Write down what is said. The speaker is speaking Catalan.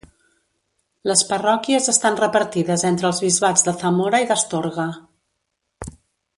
Les parròquies estan repartides entre els bisbats de Zamora i d'Astorga.